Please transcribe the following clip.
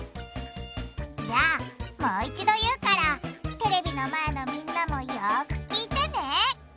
じゃあもう一度言うからテレビの前のみんなもよく聞いてね！